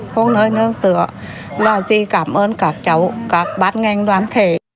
không nơi nương tựa là gì cảm ơn các cháu các ban ngành đoàn thể